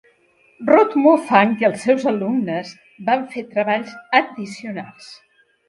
Ruth Moufang i els seus alumnes van fer treballs addicionals.